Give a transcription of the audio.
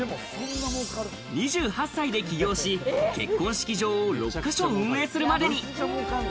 ２８歳で起業し、結婚式場を６ヶ所、運営するまでに。